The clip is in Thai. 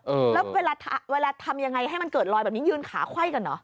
เออแล้วเวลาเวลาทำยังไงให้มันเกิดรอยแบบนี้ยืนขาไขว้กันเหรอ